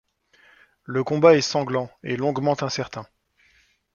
Le combat est sanglant, et longuement incertain.